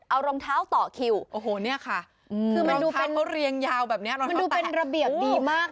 เอารองเท้าต่อคิวโอ้โหนี่ค่ะรองเท้าเขาเรียงยาวแบบนี้รองเท้าแตะมันดูเป็นระเบียกดีมาก